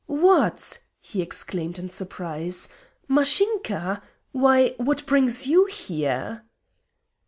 "What!" he exclaimed in surprise. "Mashinka! Why, what brings you here?"